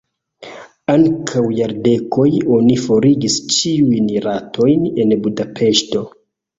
Antaŭ jardekoj oni forigis ĉiujn ratojn en Budapeŝto.